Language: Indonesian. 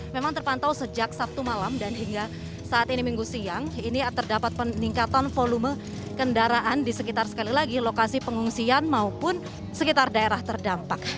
memang terpantau sejak sabtu malam dan hingga saat ini minggu siang ini terdapat peningkatan volume kendaraan di sekitar sekali lagi lokasi pengungsian maupun sekitar daerah terdampak